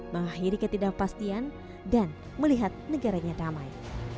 mengakhiri ketidakpastian dan melihat negaranya damai